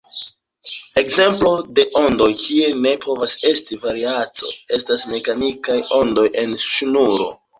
Ekzemplo de ondoj kie ne povas esti varianco estas mekanikaj ondoj en ŝnuro.